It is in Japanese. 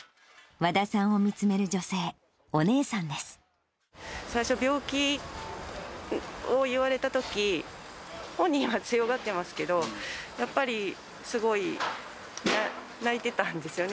和田さんを見つめる女性、最初、病気を言われたとき、本人は強がってますけど、やっぱり、すごい泣いてたんですよね。